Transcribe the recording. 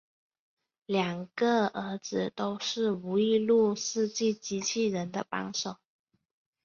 两个儿子都是吴玉禄设计机器人的帮手。